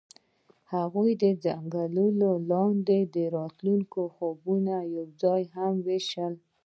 هغوی د ځنګل لاندې د راتلونکي خوبونه یوځای هم وویشل.